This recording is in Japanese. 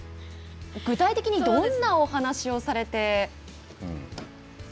具体的にどんなお話をされて。